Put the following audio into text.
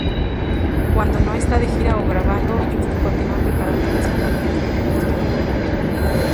Cuando no está de gira o grabando, Justin continúa preparando las sinfonías de Connecticut.